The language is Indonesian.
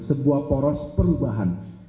sebuah poros perubahan